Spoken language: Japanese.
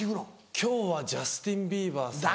今日はジャスティン・ビーバーさん。